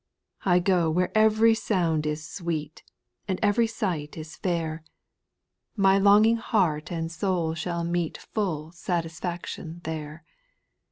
4. I go where every sound is sweet, And every sight is fair ; SPIRITUAL SONGS. 878 My longing heart and soul shall meet Full satisfaction there.